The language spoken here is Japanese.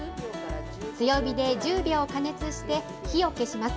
強火で１０秒加熱して火を消します。